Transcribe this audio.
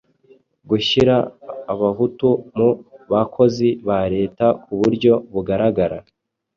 Gushyira Abahutu mu bakozi ba Leta ku buryo bugaragara: